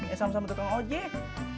eh sama sama tukang ojek